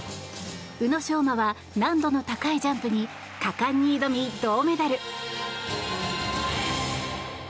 宇野昌磨は難度の高いジャンプに果敢に挑み銅メダル。